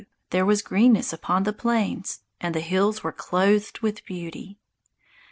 there was greenness upon the plains, And the hills were clothed with beauty!